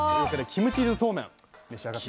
キムチーズそうめん。